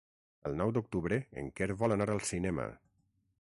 El nou d'octubre en Quer vol anar al cinema.